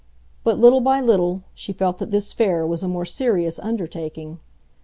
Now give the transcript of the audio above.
But little by little she felt that this fair was a more serious undertaking.